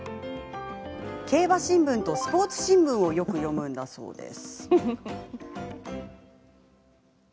競馬新聞とスポーツ新聞をよく読むんだそうです。